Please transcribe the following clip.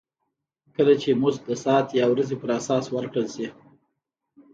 کله چې مزد د ساعت یا ورځې پر اساس ورکړل شي